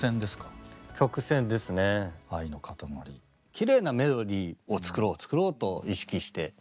きれいなメロディーを作ろう作ろうと意識して。